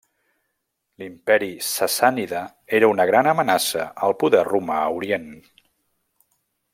L'Imperi sassànida era una gran amenaça al poder romà a Orient.